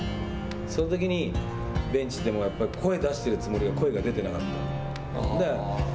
そのときに、ベンチでもやっぱり声、出してるつもりが声が出てなかった。